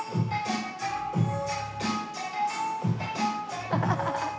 ハハハハハッ！